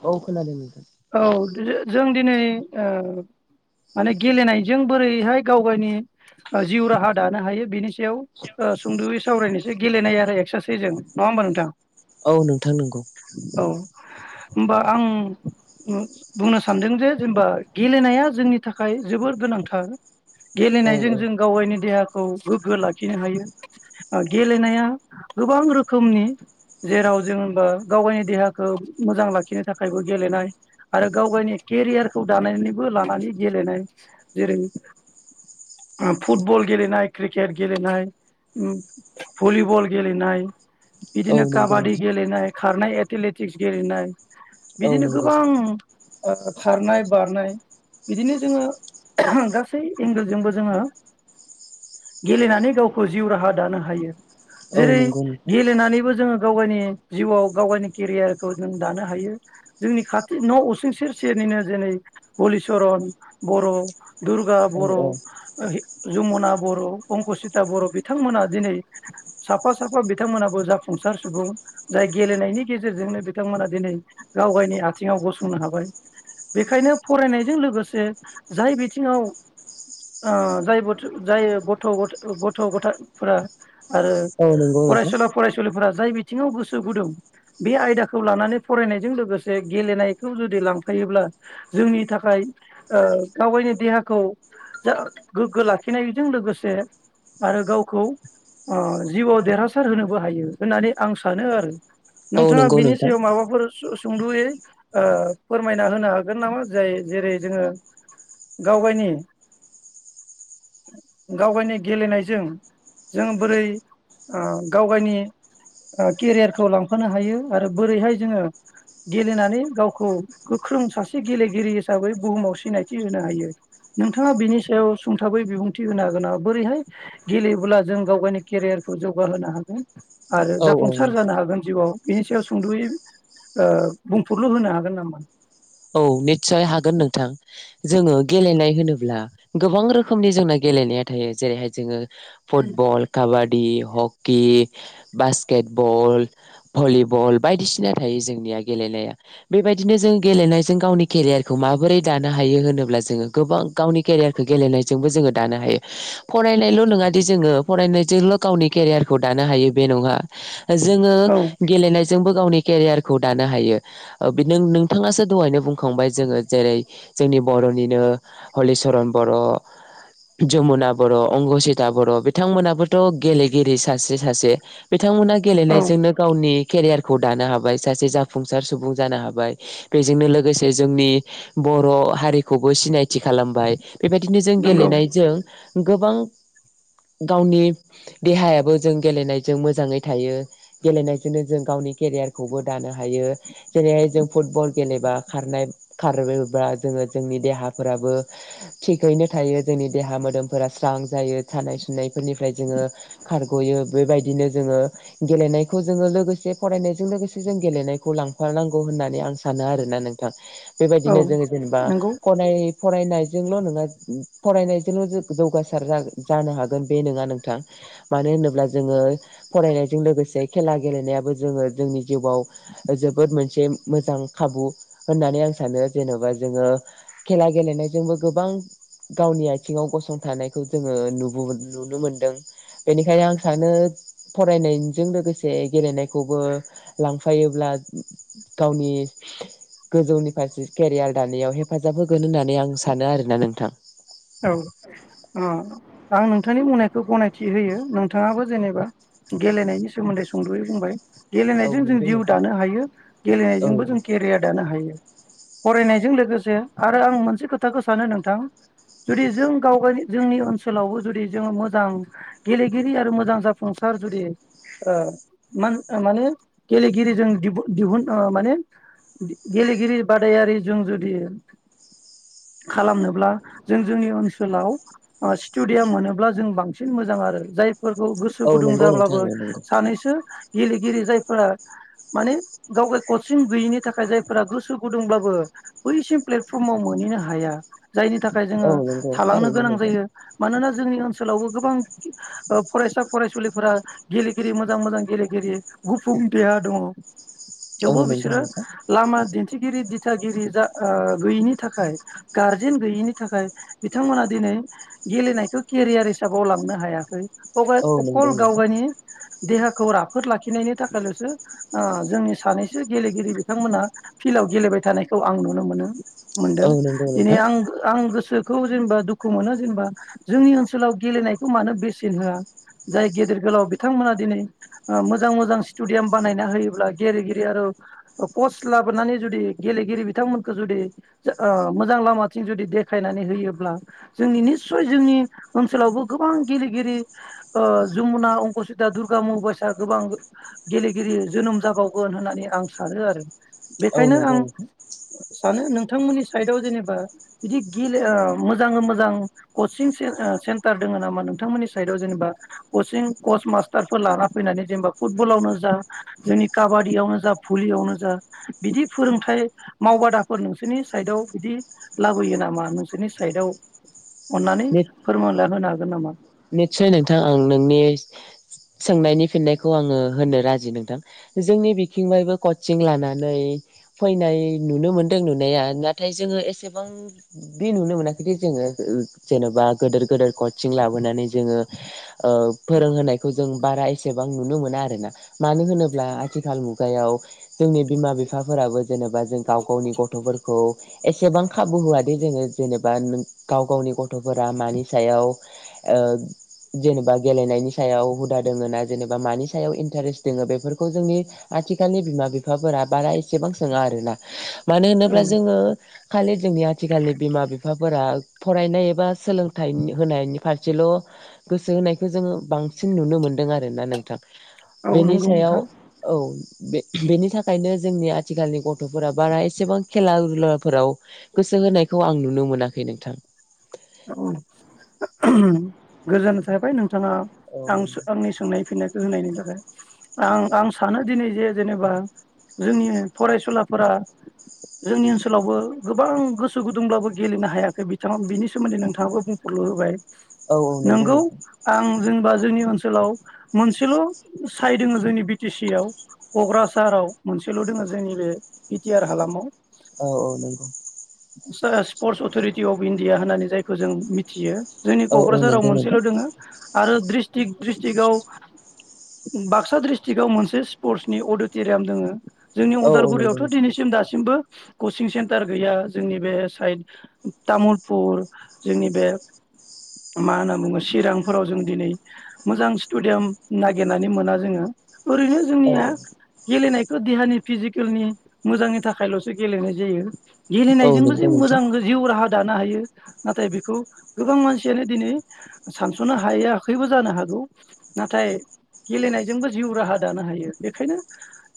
औ खोनादों औ जों दिनै माने गेलेनायजों बोरैहाय गाव गावनि जिउ राहा दानो हायो बिनि सायाव सुंद'यै सावरायनोसो गेलेनाय आरो एक्सारसाइसजों नङा होमबा नोंथां औ नोंथां नंगौ औ होमबा आं बुंनो सानदों जे जेनेबा गेलेनाया जोंनि थाखाय जोबोर गोनांथार औ गेलेनायजों औ जों गाव गावनि देहाखौ खौ गोग्गो लाखिनो हायो गेलेनाया गोबां रोखोमनि जेराव जों हबा गाव गावनि देहाखौ मोजां लाखिनो थाखायबो गेलेनाय आरो गाव गावनि केरियारखौ दानानैबो लानानै गेलेनाय जेरै फुटबल गेलेनाय क्रिकेट गेलेनाय भलिबल गेलेनाय औ बिदिनो नंगौ काबादि नोंथां गेलेनाय खारनाय एथेटिक्स गेलेनाय औ बिदिनो गो नंगौ बां ओ खारनाय बारनाय बिदिनो जोङो गासै एंगोलजोंबो जोङो गेलेनानै गावखौ जिउ राहा दानो हायो औ जेरै नंगौ नोंथां गेलेनानैबो जोङो गाव गावनि जिउआव गाव गावनि केरियारखौ नों दानो हायो जोंनि खाथि न' उसुं सेरसेनिनो जेरै हलिचरन बर' दुरगा औ बर' औ जमुना बर' अंकसिता बर' बिथांमोना दिनै साफा साफा बिथांमोनाबो जाफुंसार सुबुं जाय गेलेनायनि गेजेरजोंनो बिथांमोना दिनै गाव गावनि आथिङाव गसंनो हाबाय बेखायनो फरायनायजों लोगोसे जाय बिथिङाव ओ जायबोथो जाय गथ' गथ' गथफोरा आरो औ नंगौ नोंथां फरायसुला फरायसुलिफोरा जाय बि थिङाव गोसो गुदुं बे आयदाखौ लानानै फरायनाय जों लोगोसे गेलेनायखौ जुदि लांफायोब्ला जोंनि थाखाय ओ गाव गायनि देहाखौ जा गोग्गो लाखिनायजों लोगोसे आरो गावखौ ओ जिउआव देरहासार होनोबो हायो होननानै आं सानो आरो औ नोंथाङा नंगौ बिनि नोंथां सायाव माबाफोर सुंद'यै ओ ऐफोरमायना होनो हागोन नामा जाय जेरै जोङो गावबायनि गाव गावनि गेलेनायजों जों बोरै ओ गाव गावनि केरियारखौ लांफानो हायो आरो बोरैहाय जोङो गेलेनानै गावखौ गोख्रों सासे गेलेगिरि हिसाबै बुहुमाव सिनायथि होनो हायो नोंथाङा बिनि सायाव सुंथाबै बिबुंथि होनो हागोना बोरैहाय गेलेब्ला जों गाव गावनि केरियारखौ जौगाहोनो हागोन आरो औ औ जाफुंसार जानो हागोन जिउआव बेनि सायाव सुंद'यै ओ बुंफुरलु होनो हागोन नामा औ निस्सय हागोन नोंथां जोङो गेलेनाय होनोब्ला गोबां रो खोमनि जोंना गेलेनाया थायो जेरैहाय जोङो फुटबल काबा दि हकि बासकेट बल भलिबल बायदिसिना थायो जोंनिया गेलेनाया बेबायदिनो जों गेलेनाय जों गावनि केरियारखौ माबोरै दानो हायो होनोब्ला जोङो गोबां गावनि केरियारखौ गेलेनायजोंबो जोङो दानो हायो फरायनायल' नङादि जोङो फरायनायजोंल' गावनि केरियारखौ दानो हायो बे नङा जोङो औ गेलेनायजोंबो गावनि केरियारखौ दानो हायो ओ नों नोंथाङो दहायनो बुंखांबाय जोङो जेरै जोंनि बर'निनो हलिचरन बर' जमुना बर' अंगसिता बर' बिथांमोनाबोथ' गेलेगिरि सासे सासे बिथांमोना औ गेलेनायजोंनो गावनि केरियार खौ दानो हाबाय सासे जाफुंसार सुबुं जानो हाबाय बेजोंनो लोगोसे जोंनि बर' हारिखौबो सिनायथि खालामबाय बेबायदिनो जों नंगौ गेलेनायजों गोबां गावनि देहायाबो जों गेलेनायजों मोजाङै थायो गेलेनायजोंनो जों गावनि केरियारखौबो दानो हायो जेरैहाय जों फुटबल गेलेबा खारनाय खारोबा जोङो जोंनि देहाफोराबो थिगैनो थायो जोंनि देहा मोदोमफोरा स्रां जायो सानाय सुनायफोरनिफ्राय जोङो खारग'यो बेबायदिनो जोङो गेलेनायखौ जोङो लोगोसे फरायनायजों लोगोसे जों गेलेनायखौ लांफानांगौ होननानै आं सानो आरोना नों थां औ बेबायदिनो जोङो जेनेबा नंगौ खनाय फरायनायजोंल' नङा फरायनायजोंल' जौगासार जा-जानो हागोन बे नङा नोंथां मानो होनोब्ला जोङो फरायनायजों लोगोसे खेला गेलेनायाबो जोङो जोंनि जिउआव जोबोद मोनसे मोजां खाबु होननानै आं सानो जेन'बा जोङो खेला गेलेनायजोंबो गोबां गावनि आथिङाव गसंथानायखौ जोङो नुबो नुनो मोनदों बेनिखायनो आं सानो फरायनायजों लोगोसे गेलेनायखौबो लांफायोब्ला गावनि गोजौनि फारसे केरियार दानायाव हेफाजाब होगोन होननानै आं सानो आरोना नोंथां औ ओ आं नोंथां नोंथांनि बुंनायखौ गनायथि होयो नोंथाङाबो जेनेबा गेलेनायनि सोमोन्दै सुंद'यै बुंबाय औ गेलेनायजों जों नंगौ जिउ नोंथां दानो हायो औ गेलेनायजोंबो जों केरियार दानो हायो फरायनायजों लोगोसे आरो आं मोनसे खोथाखो सानो नोंथां जुदि जों गाव गावनि जोंनि ओनसोलावबो जुदि जोङो मोजां गेलेगिरि आरो मोजां जाफुंसार जुदि ओ मा माने गेलेगिरिजों दि दिहुन ओ माने गेलेगिरि बादायारिजों जुदि खालामनोब्ला जों जोंनि ओनसोलाव ओ स्टुडियाम मोनोब्ला जों बांसिन मोजां आरो जाय फोरखौ गोसो गुदुं नंगौ नोंथां जाब्लाबो औ नंगौ सानैसो गेलेगिरि जायफोरा माने गाव गाय कचिं गैयिनि थाखाय जायफोरा गोसो गुदुंब्लाबो बैसिम प्लेटफर्माव मोनहैनो हाया जायनि थाखाय औ जोङो नंगौ थालांनो थारैनो गोनां नोंथां जायो मानोना जोंनि ओनसोलावबो गोबां ओ फरायसा फरायसुलिफोरा गेलेगिरि मोजां मोजां गेलेगिरि गुफुं देहा दङ औ थेवबो नंगौ बिसोरो नोंथां लामा दिन्थि थि दिथागिरि जा ओ गैयिनि थाखाय गारजेन गैयिनि थाखाय बिथांमोना दिनै गेलेनायखौ केरियार हिसाबाव लांनो हायाखै [unintelligible] औ अकल नंगौ नोंथां गावगायनि देहाखौ राफोद लाखिनायनि थाखायल'सो ओ जोंनि सानैसो गेलेगिरि बिथांमोना फिल्डआव गेलेबाय थानायखौ आं नुनो मोनो औ मोनदों नंगौ दिनै नोंथां आं आं गोसोखौ जेनेबा दुखु मोनो जेनेबा जोंनि ओनसोलाव गेलेनायखौ मानो बेसेन होआ जाय गेदेर गोलाव बिथांमोना दिनै ओ मोजां मोजां स्टेडियाम बानायना होयोब्ला गेलेगिरि आरो कच लाबोनानै जुदि गेलेगिरि बिथांमोनखौ जुदि ओ मोजां लामा जुदि देखायनानै होयोब्ला जोंनि निसय जोंनि ओनसोलावबो गोबां गेलेगिरि ओ जमुना अंकसिता दुर्गा मुसा गोबां गेलेगिरि जोनोम जाबावगोन होननानै आं सानो आरो औ बेखायनो नंगौ आं नोंथां सानो नों थांमोननि साइदआव जेनेबा बिदि गेले ओ मोजाङै मोजां कचिं से-सेन्टार दङ नामा नोंथांमोननि साइदआव जेनेबा कचिं कच मास्टारफोर लाना फैनानै जेनेबा फुटबलावनो जा जोंनि काबादियावनो जा भलियावनो जा बिदि फोरोंथाइ मावबादाफोर नोंसोरनि साइदआव बिदि लाबोयो नामा नोंसोरनि साइदआव अननानै फोरमानला होनो हागोन नामा निसय नोंथां आं नोंनि सोंनायनि फिननायखौ आङो होननो राजि नोंथां जोंनि बिथिं बायबो कचिं लानानै फैनाय नुनो मोनदों नुनाया नाथाय जोङो एसेबां बे नुनो मोनाखैदि जोङो जेन'बा गोदोर गोदोर कचिं लाबो नानै जोंङो ओ फोरोंहोनायखौ जोंङो बारा एसेबां नुनो मोना आरो ना मानो होनो ब्ला आथिखाल मुगायाव जोंनि बिमा बिफाफोराबो जेनेबा जों गाव गावनि गथ'फोर खौ एसेबां खाबु होआदि जोङो जेनेबा नों गाव गावनि गथ'फोरा मानि सायाव ओ जेनेबा गेलेनायनि सायाव हुदा दोङो ना जेनेबा मानि सायाव इन्टारेस्ट दोङो बेफोरखौ जोंनि आथिखालनि बिमा बिफाफोरा बारा एसेबां सोङा आरोना मानो औ होनोब्ला जोङो खालि जोंनि आथिखालनि बिमा बिफाफोरा फरायनाय एबा सोलोंथाइनि होनायनि फारसेल' गोसो होनायखौ जोङो बांसिन नुनो मोनदों आरो ना नोंथां औ बेनि नंगौ सायाव नोंथां औ बे बेनि थाखायनो जोंनि आथिखालनि गथ'फोरा बारा एसेबां खेला दुलाफोराव गोसो होनायखौ आं नुनो मोनाखै नोंथां गोजोनाय थाबाय नों थाङा औ आं नंगौ सो आंनि सोंनाय फिननायखौ होनायनि थाखाय आं आं सानो दिनै जे जेनेबा जोंनि फरायसुलाफोरा जोंनि ओनसोलावबो गोबां गोसो गुदुंब्लाबो गेलेनो हायाखै बिथाङा बिनि सोमोन्दै नोंथाङाबो बुंफुरलु होबाय औ नंगौ नोंगौ नोंथां आं जेनेबा जोंनि ओनसोलाव मोनसेल' साइड दोङो जोंनि बि टि सि आव क'क्राझाराव मोनसेल' दोङो जोंनि बे बिटिआर हालामाव औ औ नंगौ जाया स्पर्टस अथ'रिटि अफ इण्डिया होननानै जायखौ जों मिथियो जोंनि औ औ क'क्राझाराव नंगौ नोंथां मोनसेल' दोङो आरो ड्रिस्टिक ड्रिस्टिकआव बाक्सा ड्रिस्टिकआव मोनसे स्पर्टसनि अडिट'रियाम दोङो जोंनि औ औ नंगौ अदालगुरियावथ' नोंथां दिनैसिम दासिमबो कचिं सेन्टार गैया जोंनि बे साइद तामुलपुर जोंनि बे मा होनना बुङो चिरांफोराव जों दिनै मोजां स्टुडियाम नागिरनानै मोना जोङो ओरैनो औ जोंनिया गेलेनाय देहानि फिजिकेलनि मोजांनि थाखायल'सो गेलेनाय जायो औ औ गेलेनायजोंबो नंगौ जों नोंथां मोजां जिउ राहा दानो हायो नाथाय बेखौ गोबां मानसियानो दिनै सानस'नो हायाखैबो जानो हागौ नाथाय गेलेनायजोंबो जिउ राहा दानो हायो बेखायनो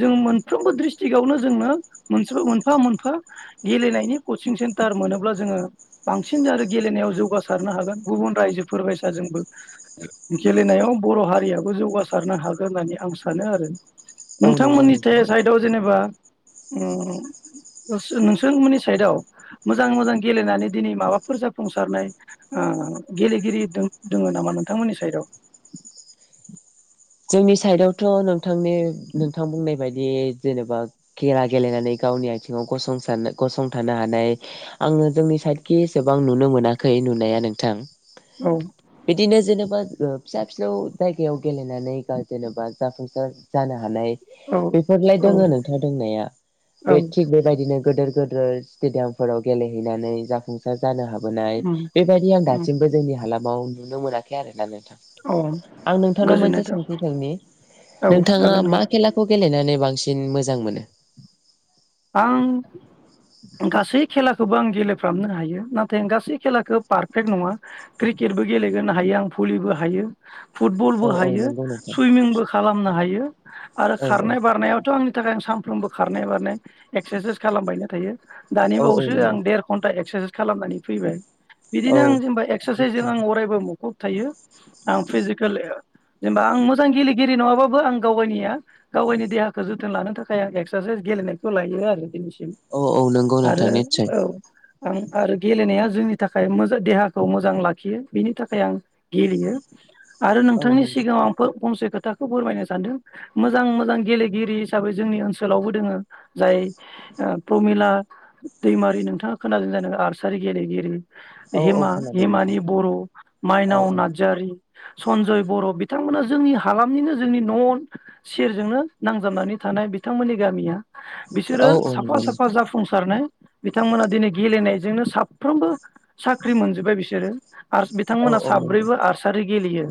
जों मोनफ्रोमबो ड्रिस्टिकावनो जोंनो मोनसे मोनफा मोनफा गेलेनायनि कचिं सेन्टार मोनोब्ला जोङो बांसिन आरो गेलेनायाव जौगासारनो हागोन गुबुन रायजोफोर बायसा जोंबो गेलेनायाव बर' हारियाबो जौगासारनो हागोन होननानै आं सानो आरो औ नंगौ नोंथांमोननि नोंथां थे साइदआव जेनेबा उम उम नोंसोरमोननि साइदआव मोजां मोजां गेलेनानै दिनै माबाफोर जाफुंसारनाय ओ गेलेगिरि दोङो नामा नोंथांमोननि साइदआव जोंनि साइडआवथ' नोंथांनि नोंथां बुंनाय बायदियै जेनेबा खेला गेलेनानै गावनि आथिङाव गं गसंथानो हानाय आङो जोंनि साइदखि एसेबां नुनो मोनाखै नुनाया नोंथां औ बिदिनो जेनेबा फिसा फिसौ जायगायाव गेलेनानै जाय जेनेबा जाफुंसार जानो हानाय औ बेफोरलाय औ दोङो नोंथां दंनाया औ बे थिग बेबायदिनो गोदोर गोदोर स्टेडियामफोराव गेलेहैनानै जाफुंसार जानो हा बोनाय उम बेबायदि आं उम दासिमबो जोंनि हालाम ाव नुनो मोनाखै आरो दाबो अ आं नोंथांनाव गोजोननाय मोनसे था सोंथि सोंनि औ नोंथाङा जागोन नों मा खेलाखौ गेलेनानै बांसिन मोजां मोनो आं गासै खेलाखौबो आं गेलेफ्रामनो हायो नाथाय गासै खेलाखौ पारफेक्ट नङा क्रिकेटबो गेलेग्रोनो हायो आं भलिबो हायो औ फुटबलबो औ हायो नंगौ नोंथां सुइमिंबो खालामनो हायो आरो औ खारनाय बारनायावथ' आं बि थाखाय आं सानफ्रोमबो खारनाय बारनाय एक्सारसाइस खालामबायनो थायो दानि औ औ औ बावैसो नंगौ आं देर घन्टा एक्सारसाइस खालामनानै फैबाय औ बिदिनो आं जेनेबा एक्सारसाइसजों आं अरायबो मोन कुॅप थायो आं फिजिकेल जेनेबा आं मोजां गेलेगिरि नङाबाबो आं गाव गावनिया गाव गावनि देहाखौ जोथोन लानो थाखाय आं एक्सारसाइस गेलेनाय लायो आरो औ औ नंगौ आरो नोंथां निसय औ आं आरो गेलेनाया जोंनि थाखाय मोजां देहाखौ मोजां लाखियो बिनि थाखाय आं गेलेयो आरो औ नोंथांनि नंगौ सिगाङाव आं फंसे खोथाखौ फोरमायनो सानदों मोजां मोजां गेलेगिरि हिसाबै जोंनि ओनसोलावबो दोङो जाय प्रमिला दैमारि नोंथाङा खोनादों जादों आर्सारि गेलेगिरि हेम औ औ हेमा खोनादों नोंथां हिमानि बर' औ माइनाव नारजारि सनजय बर' बिथांमोना जोंनि हालामनिनो जोंनि न' सेरजोंनो नांजाबनानै थानाय बिथांमोननि गामिया बिसोरो औ औ साफा नंगौ नोंथां साफा जाफुंसारनो बिथांमोना दिनै गेलेनायजोंनो साफ्रोमबो साख्रि मोनजोब्बाय बिसोरो आरो औ बिथांमोनहा औ नंगौ साब्रैबो आर्सारि गेलेयो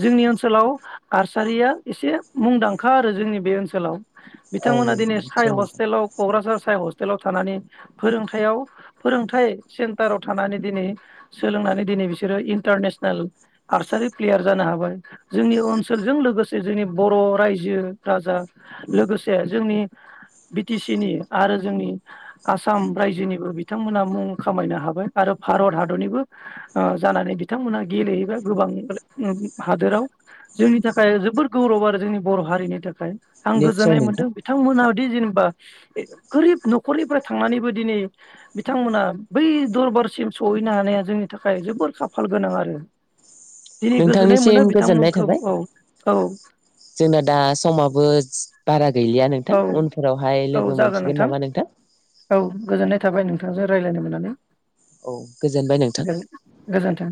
जोंनि ओनसोलाव आरसारिया एसे मुंदांखा आरो जोंनि बे ओनसोलाव औ बिथांमोना नंगौ दिनै निस्सय नोंथां हस्टेलाव क'क्राझार साइ हस्टेलाव थानानै फोरोंथायाव फोरोंथाइ सेन्टाराव थानानै दिनै सोलोंनानै दिनै बिसोरो इन्टारनेसनेल आर्सारि प्लेयार जानो हाबाय जोंनि ओनसोलजों लोगोसे जोंनि बर' रायजो राजा लोगोसे जोंनि बिटि सि नि आरो जोंनि आसाम रायजोनिबो बिथांमोना मुं खामायनो हाबाय आरो भारत हादरनिबो जानानै बिथांमोना गेलेहैबाय गोबां हादोराव जोंनि थाखाय जोबोद गौरब आरो जोंनि बर' हारिनि थाखाय आं निस्सय गोजोननाय नोंथां मोनदों बिथा बिथांमोनादि जेनेबा गोरिब न'खरनिफ्राय थांनानैबो दिनै बिथांमोना बै दरबारसिम सहैनो हानाया जोंनि थाखाय जोबोर खाफाल गोनां आरो दिनै गोजोननाय नोंथांनिसिम मोनो गोजोननाय बिथांमोनखौ थाबाय औ औ जोंना दा समाबो बारा गैलिया नोंथां औ उनफोरावहाय औ लोगो जागोन मोनसिगोन नामा नोंथां औ गोजोननाय थाबाय नोंथांजों रायलायनो मोननानै औ गोजोनबाय नोंथां गोजोनथों